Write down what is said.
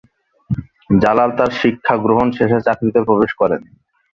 জালাল তার শিক্ষাগ্রহণ শেষে চাকরিতে প্রবেশ করেন।